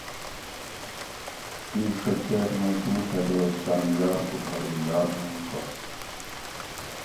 اِیچہ کیٹ مئ دُو ڷہ دوس تانی یار کُٹھارو یار نہ اُکس